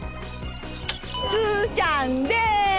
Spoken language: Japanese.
ツルちゃんです！